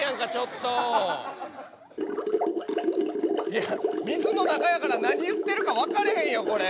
いや水の中やから何言ってるか分かれへんよこれ。